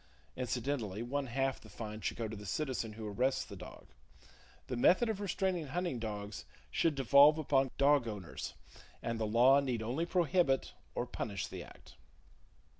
Incidentally, one half the fine should go to the citizen who arrests the dog. The method of restraining hunting dogs should devolve upon dog owners; and the law need only prohibit or punish the act.